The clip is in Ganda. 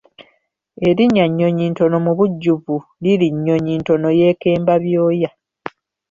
Erinnya Nnyonyintono mu bujjuvu liri Nnyonyintono yeekemba byoya.